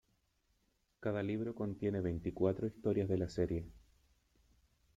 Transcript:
Cada libro contiene veinticuatro historias de la serie.